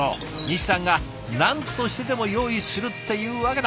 西さんが何としてでも用意するって言うわけだ。